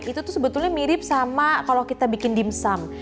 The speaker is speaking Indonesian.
itu tuh sebetulnya mirip sama kalau kita bikin dimsum